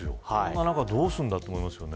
どうするんだと思いますよね。